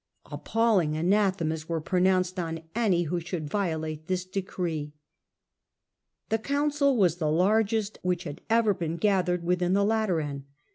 Appalling anathemas were pronounced on any who should violate this decree. The council was the largest which had ever been gathered within the Lateran.